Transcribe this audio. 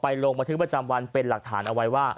ลงบันทึกประจำวันเป็นหลักฐานเอาไว้ว่า